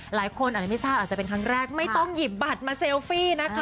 หลายคนอาจจะไม่ทราบอาจจะเป็นครั้งแรกไม่ต้องหยิบบัตรมาเซลฟี่นะคะ